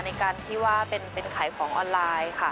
ในการที่ว่าเป็นขายของออนไลน์ค่ะ